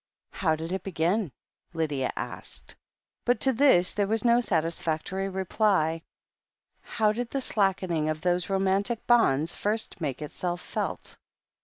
"How did it begin ?" Lydia asked. But to this there was no satisfactory reply. How did the slackening cf those romantic bonds first make itself felt?